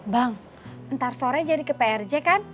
bang ntar sore jadi ke prj kan